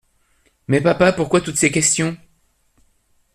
Mais, papa, pourquoi toutes ces questions ?